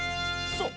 そう。